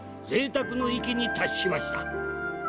ぜいたくの域に達しました。